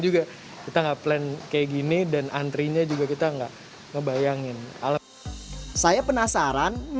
juga kita enggak plen kayak gini dan antri nya juga kita enggak ngebayangin saya penasaran